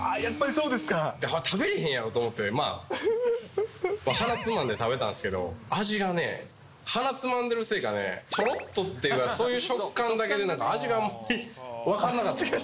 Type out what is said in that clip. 食べれへんやろと思って、まあ鼻つまんで食べたんですけど、味がね、鼻つまんでるせいかね、とろっとっていうか、そういう食感だけで、味があんまり分かんなかったです。